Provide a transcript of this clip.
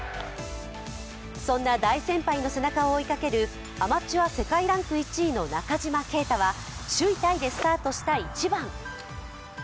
そんな大先輩の背中を追いかけるアマチュア世界ランク１位の中島啓太は首位タイでスタートした１番。